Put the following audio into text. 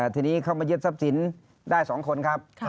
ทีนี้เข้ามายึดทรัพย์สินได้๒คนครับ